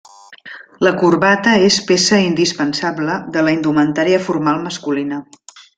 La corbata és peça indispensable de la indumentària formal masculina.